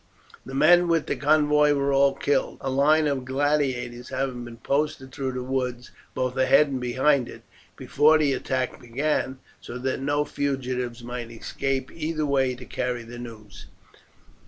The men with the convoy were all killed, a line of gladiators having been posted through the woods, both ahead and behind it, before the attack began, so that no fugitives might escape either way to carry the news.